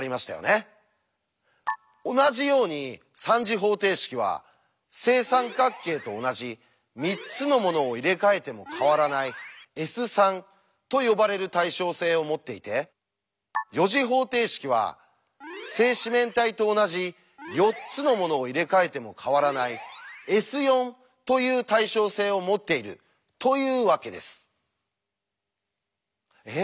同じように３次方程式は正三角形と同じ３つのものを入れ替えても変わらない「Ｓ」と呼ばれる対称性を持っていて４次方程式は正四面体と同じ４つのものを入れ替えても変わらない「Ｓ」という対称性を持っているというわけです。え？